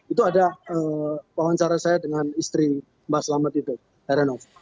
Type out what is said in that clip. itu ada penguancara saya dengan istri mbah selamet itu renok